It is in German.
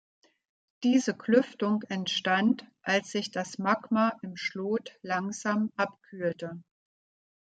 Diese Klüftung entstand, als sich das Magma im Schlot langsam abkühlte.